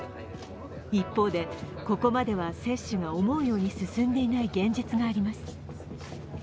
一方で、ここまでは接種が思うように進んでいない現実があります。